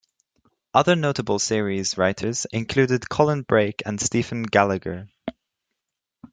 Other notable series writers included Colin Brake and Stephen Gallagher.